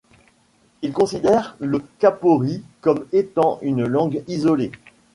Il considère le kapori comme étant une langue isolée.